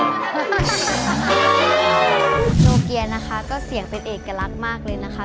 โนเกียนะคะก็เสียงเป็นเอกลักษณ์มากเลยนะคะ